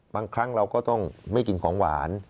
บางครั้งเราก็ต้องไม่กินของหวาน